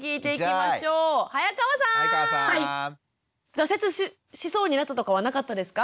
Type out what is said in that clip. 挫折しそうになったとかはなかったですか？